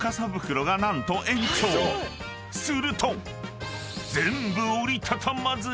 ［すると］